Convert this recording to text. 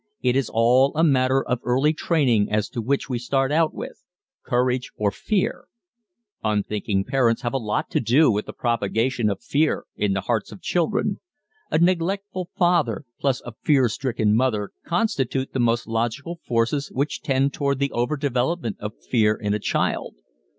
It is all a matter of early training as to which we start out with courage or fear. Unthinking parents have a lot to do with the propagation of fear in the hearts of children. A neglectful father plus a fear stricken mother constitute the most logical forces which tend toward the overdevelopment of fear in a child.